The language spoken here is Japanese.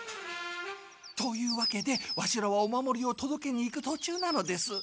というわけでワシらはお守りをとどけに行くとちゅうなのです。